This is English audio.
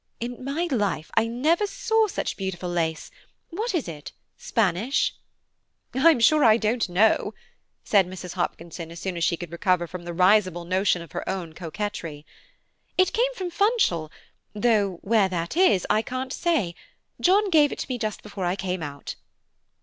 In my life I never saw such beautiful lace, what is it–Spanish?" "I'm sure I don't know," said Mrs. Hopkinson as soon as she could recover from the risible notion of her own coquetry. "It came from Funchal, though where that is I can't say; John gave it to me just before I came out."